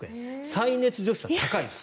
再熱除湿だと高いです。